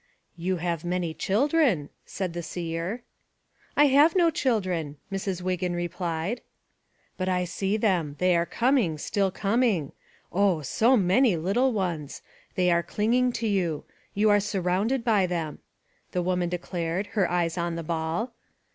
"You have many children," said the seer. "I have no children," Mrs. Wiggin replied. "But I see them ; they are coming, still coming. O, so many little ones; they are clinging to you; you are surrounded by them/' the woman declared, her eyes on the ball.